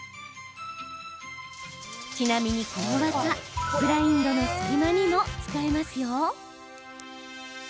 ちなみにこの技、ブラインドの隙間にも使えますよ。